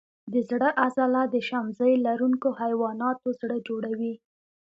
د زړه عضله د شمزۍ لرونکو حیواناتو زړه جوړوي.